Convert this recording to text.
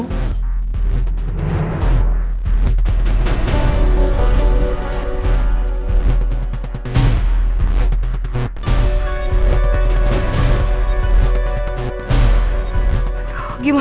aku mau ke rumah